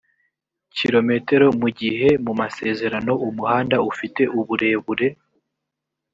km mu gihe mu masezerano umuhanda ufite uburebure